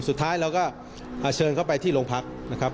สุดท้ายเราก็เชิญเขาไปที่โรงพักนะครับ